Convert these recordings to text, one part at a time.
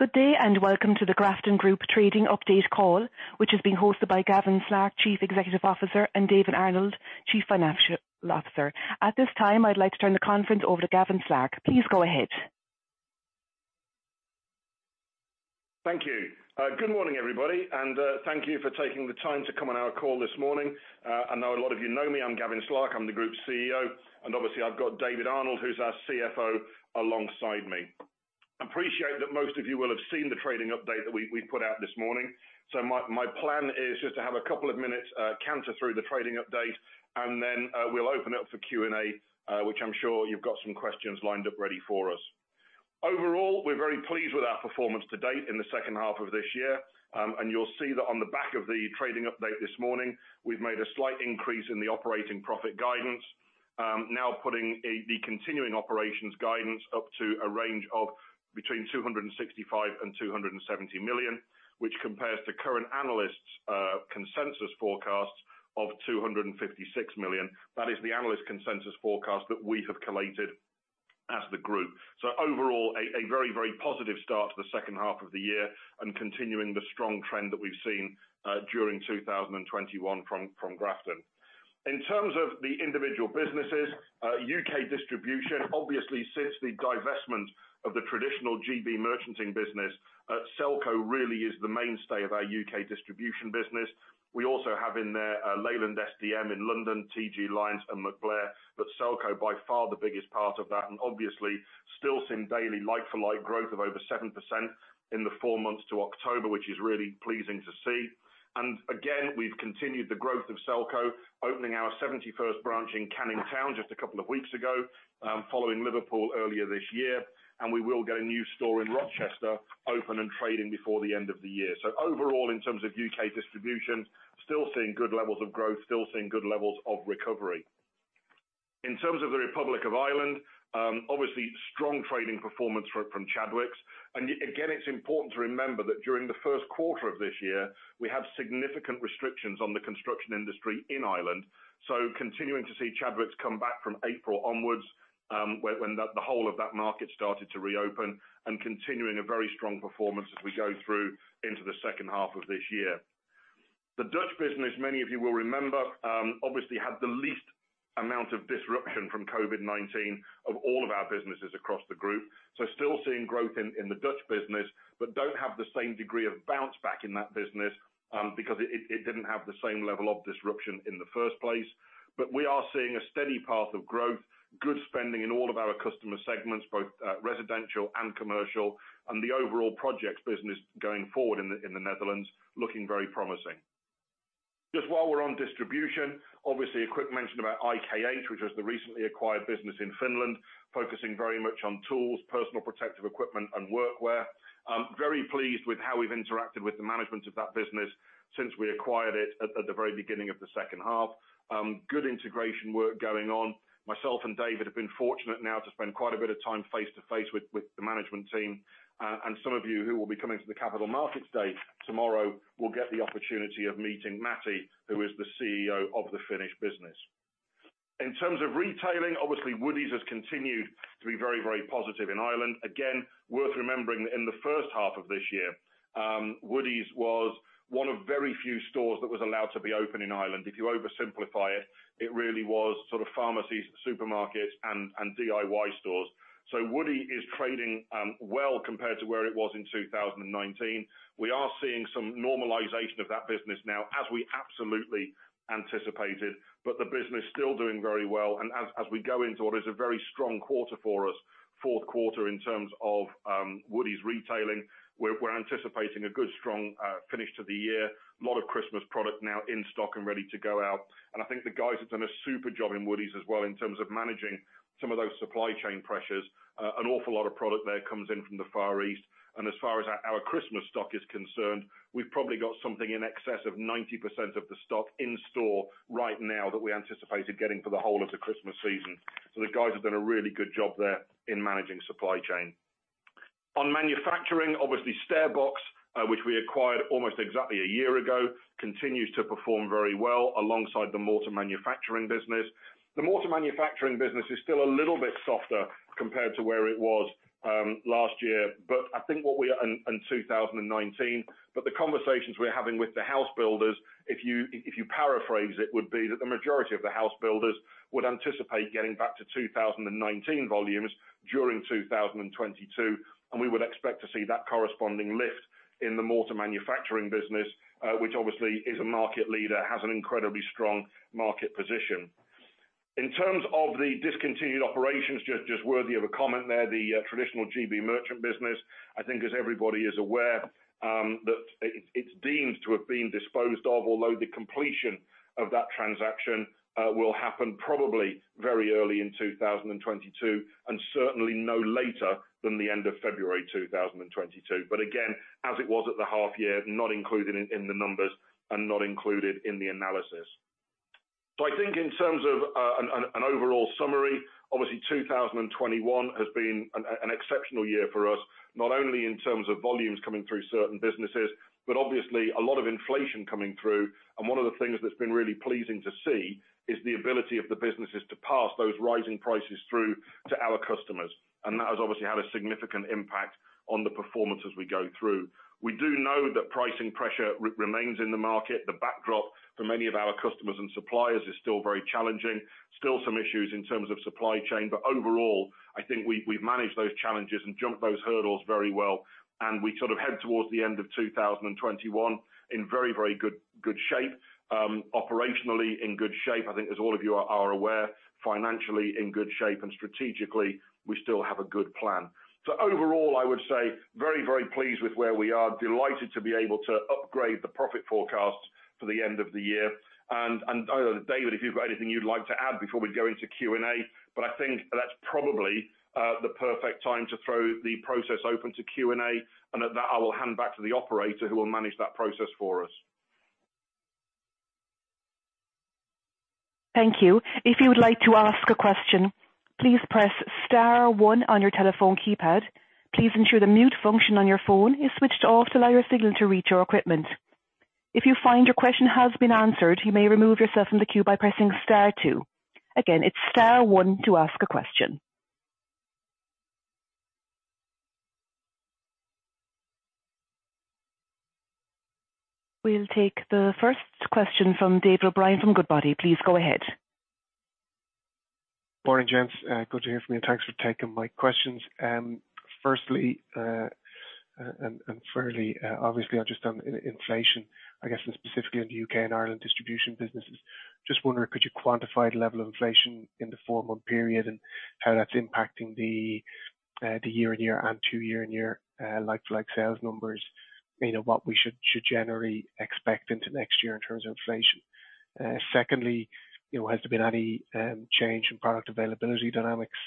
Good day and welcome to the Grafton Group Trading Update call, which is being hosted by Gavin Slark, Chief Executive Officer, and David Arnold, Chief Financial Officer. At this time, I'd like to turn the conference over to Gavin Slark. Please go ahead. Thank you. Good morning, everybody, and thank you for taking the time to come on our call this morning. I know a lot of you know me. I'm Gavin Slark, I'm the Group CEO, and obviously I've got David Arnold, who's our CFO, alongside me. I appreciate that most of you will have seen the trading update that we put out this morning. My plan is just to have a couple of minutes to run through the trading update, and then we'll open up for Q&A, which I'm sure you've got some questions lined up ready for us. Overall, we're very pleased with our performance to date in the second half of this year. You'll see that on the back of the trading update this morning, we've made a slight increase in the operating profit guidance. Now putting the continuing operations guidance up to a range of between 265 million and 270 million, which compares to current analysts' consensus forecasts of 256 million. That is the analyst consensus forecast that we have collated as the group. Overall, a very very positive start to the second half of the year and continuing the strong trend that we've seen during 2021 from Grafton. In terms of the individual businesses, U.K. distribution, obviously since the divestment of the traditional GB merchanting business, Selco really is the mainstay of our U.K. distribution business. We also have in there, Leyland SDM in London, TG Lynes and MacBlair, but Selco by far the biggest part of that and obviously still seeing daily like for like growth of over 7% in the four months to October, which is really pleasing to see. Again, we've continued the growth of Selco, opening our 71st branch in Canning Town just a couple of weeks ago, following Liverpool earlier this year. We will get a new store in Rochester open and trading before the end of the year. Overall, in terms of U.K. distribution, still seeing good levels of growth, still seeing good levels of recovery. In terms of the Republic of Ireland, obviously strong trading performance from Chadwicks. Again, it's important to remember that during the first quarter of this year, we had significant restrictions on the construction industry in Ireland. Continuing to see Chadwicks come back from April onwards, when the whole of that market started to reopen and continuing a very strong performance as we go through into the second half of this year. The Dutch business, many of you will remember, obviously had the least amount of disruption from COVID-19 of all of our businesses across the group. Still seeing growth in the Dutch business, but don't have the same degree of bounce back in that business, because it didn't have the same level of disruption in the first place. We are seeing a steady path of growth, good spending in all of our customer segments, both residential and commercial, and the overall projects business going forward in the Netherlands looking very promising. Just while we're on distribution, obviously a quick mention about IKH, which was the recently acquired business in Finland, focusing very much on tools, personal protective equipment and workwear. I'm very pleased with how we've interacted with the management of that business since we acquired it at the very beginning of the second half. Good integration work going on. Myself and David have been fortunate now to spend quite a bit of time face-to-face with the management team. Some of you who will be coming to the Capital Markets Day tomorrow will get the opportunity of meeting Matti, who is the CEO of the Finnish business. In terms of retailing, obviously Woodie's has continued to be very, very positive in Ireland. Again, worth remembering that in the first half of this year, Woodie's was one of very few stores that was allowed to be open in Ireland. If you oversimplify it really was sort of pharmacies, supermarkets and DIY stores. Woodie is trading well compared to where it was in 2019. We are seeing some normalization of that business now, as we absolutely anticipated, but the business still doing very well. As we go into what is a very strong quarter for us, fourth quarter in terms of Woodie's retailing, we're anticipating a good strong finish to the year. A lot of Christmas product now in stock and ready to go out. I think the guys have done a super job in Woodie's as well in terms of managing some of those supply chain pressures. An awful lot of product there comes in from the Far East. As far as our Christmas stock is concerned, we've probably got something in excess of 90% of the stock in store right now that we anticipated getting for the whole of the Christmas season. The guys have done a really good job there in managing supply chain. On manufacturing, obviously StairBox, which we acquired almost exactly a year ago, continues to perform very well alongside the mortar manufacturing business. The mortar manufacturing business is still a little bit softer compared to where it was last year and 2019, but the conversations we're having with the house builders, if you paraphrase it, would be that the majority of the house builders would anticipate getting back to 2019 volumes during 2022, and we would expect to see that corresponding lift in the mortar manufacturing business, which obviously is a market leader, has an incredibly strong market position. In terms of the discontinued operations, just worthy of a comment there, the traditional GB merchant business, I think as everybody is aware, that it's deemed to have been disposed of, although the completion of that transaction will happen probably very early in 2022, and certainly no later than the end of February 2022. Again, as it was at the half year, not included in the numbers and not included in the analysis. I think in terms of an overall summary, obviously 2021 has been an exceptional year for us, not only in terms of volumes coming through certain businesses, but obviously a lot of inflation coming through. One of the things that's been really pleasing to see is the ability of the businesses to pass those rising prices through to our customers, and that has obviously had a significant impact on the performance as we go through. We do know that pricing pressure remains in the market. The backdrop for many of our customers and suppliers is still very challenging. Still some issues in terms of supply chain, but overall, I think we've managed those challenges and jumped those hurdles very well, and we sort of head towards the end of 2021 in very good shape. Operationally in good shape, I think as all of you are aware, financially in good shape and strategically, we still have a good plan. Overall, I would say very pleased with where we are. Delighted to be able to upgrade the profit forecast for the end of the year. I don't know, David, if you've got anything you'd like to add before we go into Q&A, but I think that's probably the perfect time to throw the process open to Q&A, and at that, I will hand back to the operator who will manage that process for us. Thank you. If you would like to ask a question, please press star one on your telephone keypad. Please ensure the mute function on your phone is switched off to allow your signal to reach our equipment. If you find your question has been answered, you may remove yourself from the queue by pressing star two. Again, it's star one to ask a question. We'll take the first question from David O'Brien from Goodbody. Please go ahead. Morning, gents. Good to hear from you and thanks for taking my questions. Firstly, and fairly obviously I've just done inflation, I guess specifically in the U.K. and Ireland distribution businesses. Just wondering, could you quantify the level of inflation in the four-month period and how that's impacting the year-on-year, two-year-on-year like-for-like sales numbers? You know, what we should generally expect into next year in terms of inflation. Secondly, you know, has there been any change in product availability dynamics?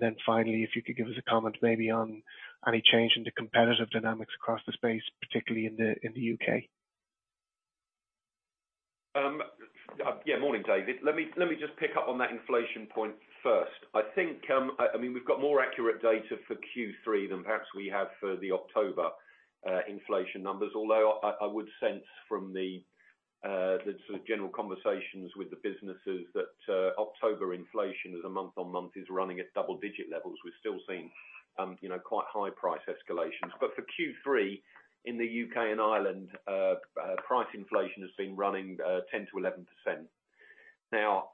Then finally, if you could give us a comment maybe on any change in the competitive dynamics across the space, particularly in the U.K. Morning, David. Let me just pick up on that inflation point first. I think, I mean, we've got more accurate data for Q3 than perhaps we have for the October inflation numbers. Although I would sense from the sort of general conversations with the businesses that October inflation as a month-on-month is running at double-digit levels. We're still seeing, you know, quite high price escalations. For Q3 in the U.K. and Ireland, price inflation has been running 10%-11%. Now,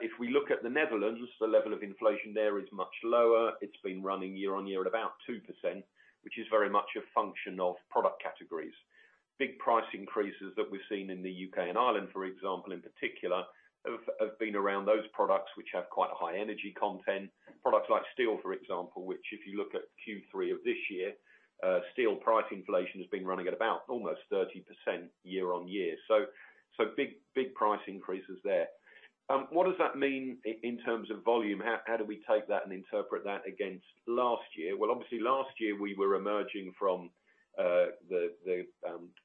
if we look at the Netherlands, the level of inflation there is much lower. It's been running year-on-year at about 2%, which is very much a function of product categories. Big price increases that we've seen in the U.K. and Ireland, for example, in particular, have been around those products which have quite a high energy content. Products like steel, for example, which if you look at Q3 of this year, steel price inflation has been running at about almost 30% year-on-year. So big price increases there. What does that mean in terms of volume? How do we take that and interpret that against last year? Well, obviously last year we were emerging from the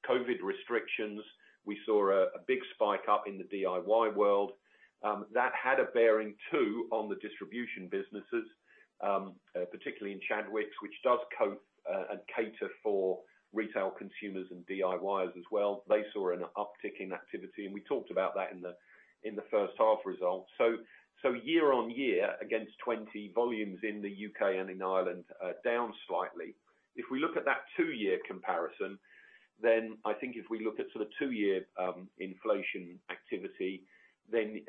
COVID restrictions. We saw a big spike up in the DIY world. That had a bearing too on the distribution businesses, particularly in Chadwicks, which does cope and cater for retail consumers and DIYers as well. They saw an uptick in activity, and we talked about that in the first half results. Year-on-year against 2020 volumes in the U.K. and in Ireland are down slightly. If we look at that two-year comparison, then I think if we look at sort of two-year inflation activity, then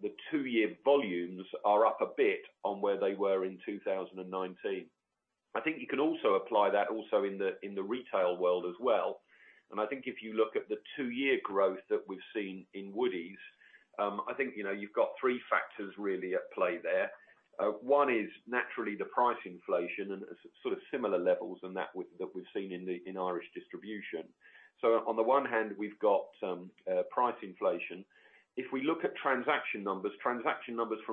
the two-year volumes are up a bit on where they were in 2019. I think you can also apply that in the retail world as well. I think if you look at the two-year growth that we've seen in Woodie's, I think you've got three factors really at play there. One is naturally the price inflation and sort of similar levels that we've seen in Irish distribution. On the one hand, we've got price inflation. If we look at transaction numbers from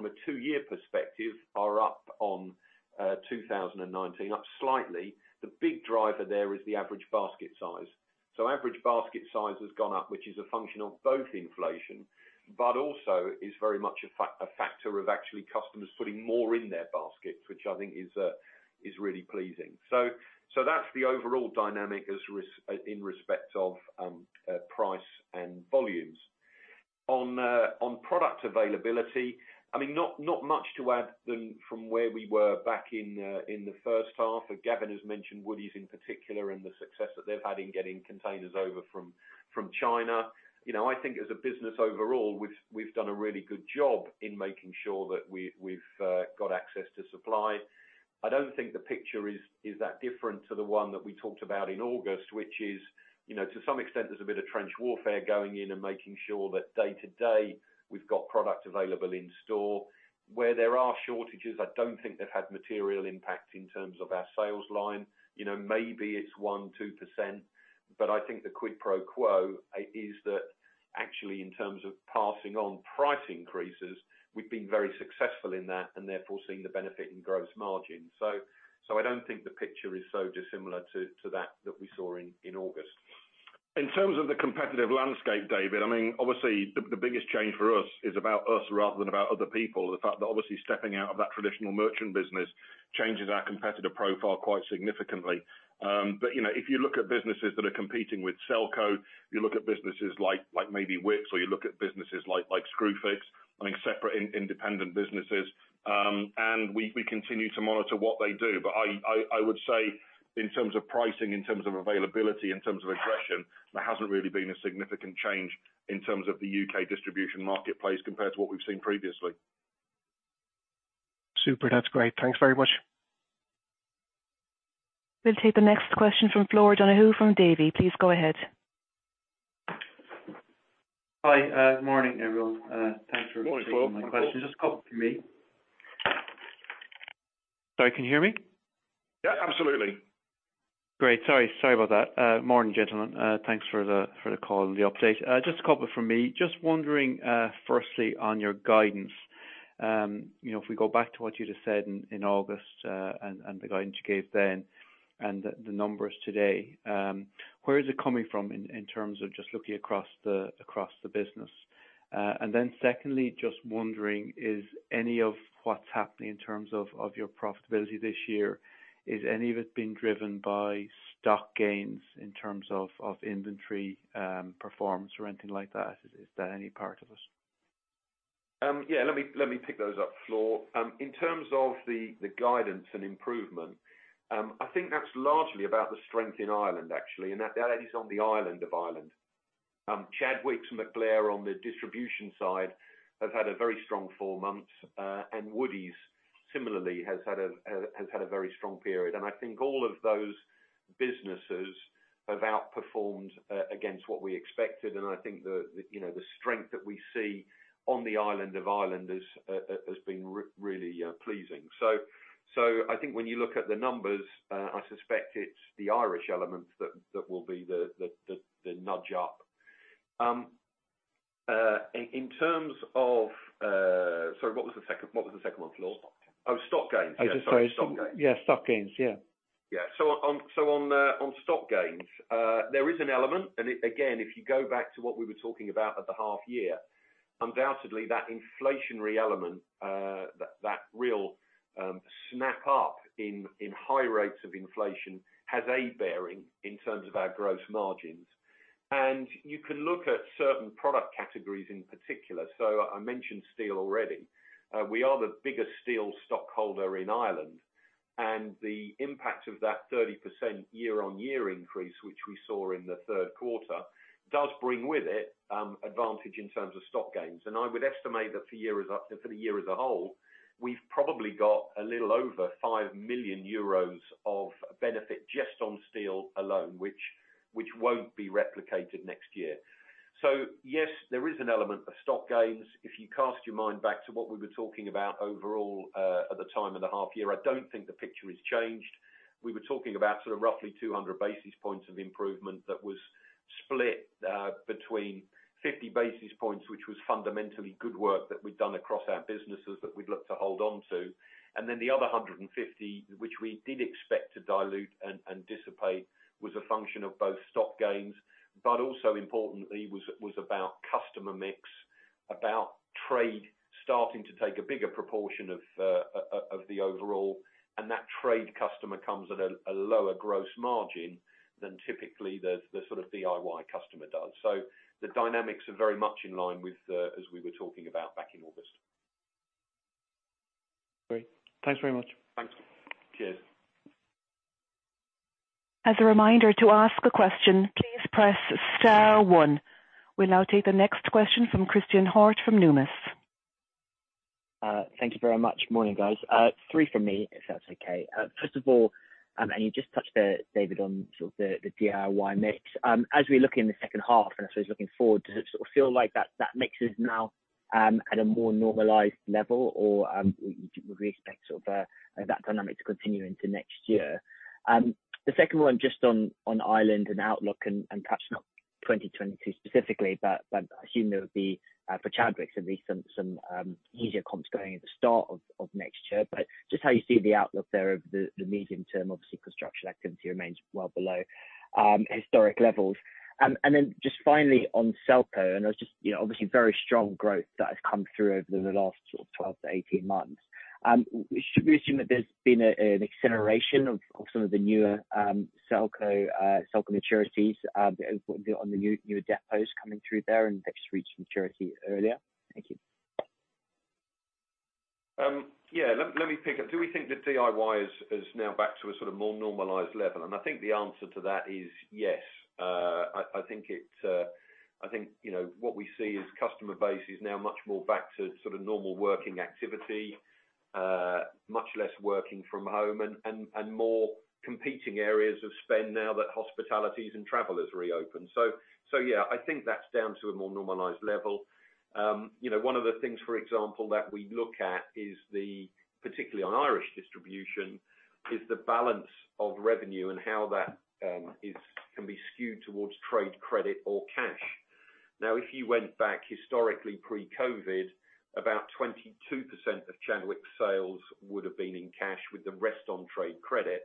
a two-year perspective, they are up on 2019, up slightly. The big driver there is the average basket size. Average basket size has gone up, which is a function of both inflation, but also is very much a factor of actually customers putting more in their baskets, which I think is really pleasing. That's the overall dynamic in respect of price and volumes. On product availability, I mean, not much to add from where we were back in the first half. Gavin has mentioned Woodie's in particular and the success that they've had in getting containers over from China. You know, I think as a business overall, we've done a really good job in making sure that we've got access to supply. I don't think the picture is that different to the one that we talked about in August, which is, you know, to some extent, there's a bit of trench warfare going on and making sure that day to day we've got product available in store. Where there are shortages, I don't think they've had material impact in terms of our sales line. You know, maybe it's 1%-2%, but I think the quid pro quo is that actually, in terms of passing on price increases, we've been very successful in that and therefore seeing the benefit in gross margin. I don't think the picture is so dissimilar to that we saw in August. In terms of the competitive landscape, David, I mean, obviously the biggest change for us is about us rather than about other people. The fact that obviously stepping out of that traditional merchant business changes our competitive profile quite significantly. You know, if you look at businesses that are competing with Selco, you look at businesses like maybe Wickes, or you look at businesses like Screwfix, I mean, separate and independent businesses, and we continue to monitor what they do. But I would say in terms of pricing, in terms of availability, in terms of aggression, there hasn't really been a significant change in terms of the U.K. distribution marketplace compared to what we've seen previously. Super. That's great. Thanks very much. We'll take the next question from Flor O'Donoghue from Davy. Please go ahead. Hi. Good morning, everyone. Thanks for including my question. Morning, Flor. Just a couple from me. Sorry, can you hear me? Yeah, absolutely. Great. Sorry about that. Morning, gentlemen. Thanks for the call and the update. Just a couple from me. Just wondering, firstly on your guidance, you know, if we go back to what you'd have said in August, and the guidance you gave then and the numbers today, where is it coming from in terms of just looking across the business? Then secondly, just wondering, is any of what's happening in terms of your profitability this year, is any of it being driven by stock gains in terms of inventory performance or anything like that? Is there any part of this? Yeah, let me pick those up, Flor. In terms of the guidance and improvement, I think that's largely about the strength in Ireland actually, and that is on the island of Ireland. Chadwicks and MacBlair on the distribution side have had a very strong four months, and Woodie's similarly has had a very strong period. I think all of those businesses have outperformed against what we expected. I think, you know, the strength that we see on the island of Ireland has been really pleasing. I think when you look at the numbers, I suspect it's the Irish elements that will be the nudge up. In terms of, sorry, what was the second one, Flor? Oh, stock gains. Sorry, stock gains. Yeah, stock gains. Yeah. On stock gains, there is an element. Again, if you go back to what we were talking about at the half year, undoubtedly that inflationary element, that real snap up in high rates of inflation has a bearing in terms of our gross margins. You can look at certain product categories in particular. I mentioned steel already. We are the biggest steel stockholder in Ireland, and the impact of that 30% year-on-year increase, which we saw in the third quarter, does bring with it advantage in terms of stock gains. I would estimate that for the year as a whole, we've probably got a little over 5 million euros of benefit just on steel alone, which won't be replicated next year. Yes, there is an element of stock gains. If you cast your mind back to what we were talking about overall at the time of the half year, I don't think the picture has changed. We were talking about sort of roughly 200 basis points of improvement that was split between 50 basis points, which was fundamentally good work that we'd done across our businesses that we'd look to hold on to. Then the other 150, which we did expect to dilute and dissipate, was a function of both stock gains, but also importantly was about customer mix, about trade starting to take a bigger proportion of the overall. That trade customer comes at a lower gross margin than typically the sort of DIY customer does. The dynamics are very much in line with, as we were talking about back in August. Great. Thanks very much. Thanks. Cheers. We'll now take the next question from Christen Hjorth from Numis. Thank you very much. Morning, guys. Three from me, if that's okay. First of all, you just touched on, David, sort of the DIY mix. As we look in the second half, and I suppose looking forward, does it sort of feel like that mix is now at a more normalized level? Or, would we expect sort of that dynamic to continue into next year? The second one, just on Ireland and outlook and perhaps not 2022 specifically, but I assume there would be for Chadwicks at least some easier comps going at the start of next year. But just how you see the outlook there of the medium term. Obviously, construction activity remains well below historic levels. Just finally on Selco, there's just, you know, obviously very strong growth that has come through over the last sort of 12-18 months. Should we assume that there's been an acceleration of some of the newer Selco maturities on the new depots coming through there and they've just reached maturity earlier? Thank you. Yeah, let me pick up. Do we think the DIY is now back to a sort of more normalized level? I think the answer to that is yes. I think, you know, what we see is customer base is now much more back to sort of normal working activity, much less working from home and more competing areas of spend now that hospitality and travel has reopened. Yeah, I think that's down to a more normalized level. You know, one of the things, for example, that we look at, particularly on Irish distribution, is the balance of revenue and how that can be skewed towards trade credit or cash. Now, if you went back historically pre-COVID, about 22% of Chadwicks's sales would have been in cash with the rest on trade credit.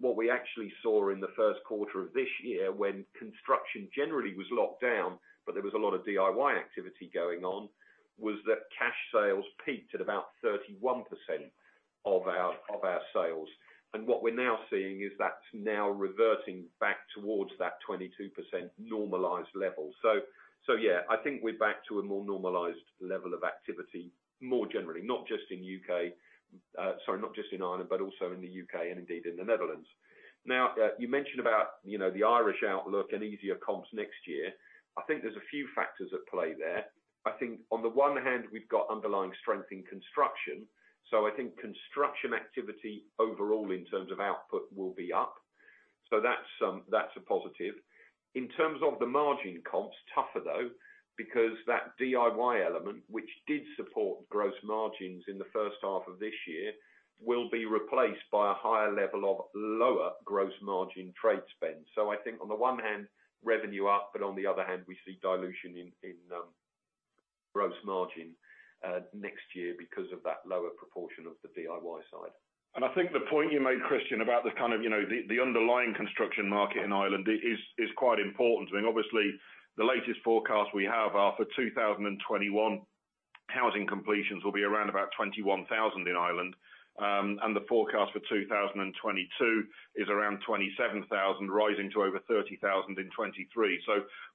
What we actually saw in the first quarter of this year when construction generally was locked down, but there was a lot of DIY activity going on, was that cash sales peaked at about 31% of our sales. What we're now seeing is that's now reverting back towards that 22% normalized level. Yeah, I think we're back to a more normalized level of activity more generally, not just in U.K., sorry, not just in Ireland, but also in the U.K. and indeed in the Netherlands. Now, you mentioned about, you know, the Irish outlook and easier comps next year. I think there's a few factors at play there. I think on the one hand, we've got underlying strength in construction. I think construction activity overall in terms of output will be up. That's a positive. In terms of the margin comps, tougher though, because that DIY element which did support gross margins in the first half of this year, will be replaced by a higher level of lower gross margin trade spend. I think on the one hand, revenue up, but on the other hand, we see dilution in gross margin next year because of that lower proportion of the DIY side. I think the point you made, Christen, about the kind of, you know, the underlying construction market in Ireland is quite important. I mean, obviously the latest forecast we have are for 2021, housing completions will be around about 21,000 in Ireland, and the forecast for 2022 is around 27,000, rising to over 30,000 in 2023.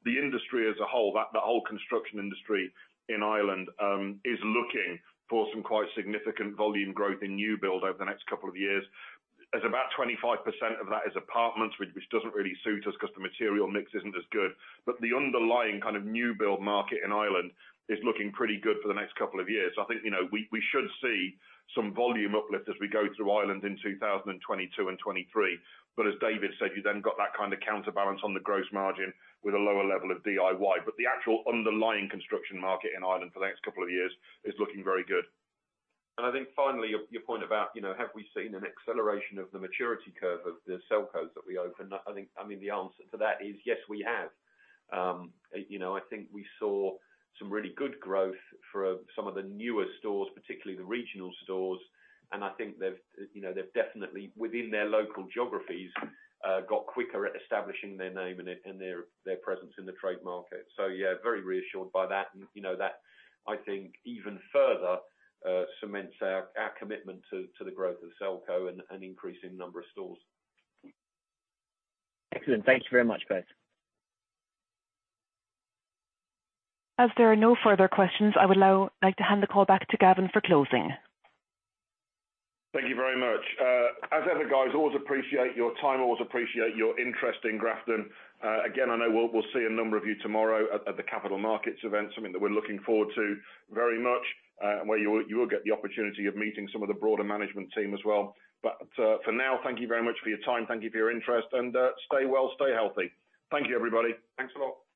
The industry as a whole, the whole construction industry in Ireland, is looking for some quite significant volume growth in new build over the next couple of years. About 25% of that is apartments, which doesn't really suit us 'cause the material mix isn't as good. The underlying kind of new build market in Ireland is looking pretty good for the next couple of years. I think, you know, we should see some volume uplift as we go through Ireland in 2022 and 2023. As David said, you then got that kinda counterbalance on the gross margin with a lower level of DIY. The actual underlying construction market in Ireland for the next couple of years is looking very good. I think finally, your point about, you know, have we seen an acceleration of the maturity curve of the Selcos that we opened? I think, I mean, the answer to that is yes, we have. You know, I think we saw some really good growth for some of the newer stores, particularly the regional stores, and I think they've, you know, definitely within their local geographies got quicker at establishing their name and their presence in the trade market. Yeah, very reassured by that. You know that, I think even further cements our commitment to the growth of Selco and increasing number of stores. Excellent. Thank you very much, guys. As there are no further questions, I would now like to hand the call back to Gavin for closing. Thank you very much. As ever guys, always appreciate your time, always appreciate your interest in Grafton. Again, I know we'll see a number of you tomorrow at the Capital Markets event, something that we're looking forward to very much, and where you will get the opportunity of meeting some of the broader management team as well. For now, thank you very much for your time. Thank you for your interest and stay well, stay healthy. Thank you everybody. Thanks a lot.